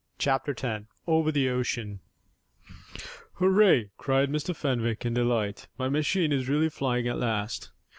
CHAPTER X OVER THE OCEAN "Hurrah!" cried Mr. Fenwick in delight. "My machine is really flying at last!"